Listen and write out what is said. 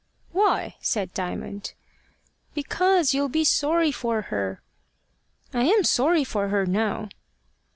"Why?" said Diamond. "Because you'll be sorry for her." "I am sorry for her now."